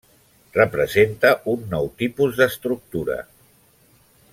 Representa un nou tipus d'estructura.